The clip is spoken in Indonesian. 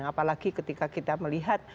apalagi ketika kita melihat